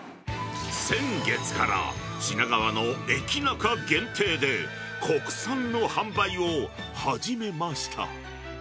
先月から品川の駅ナカ限定で、国産の販売を始めました。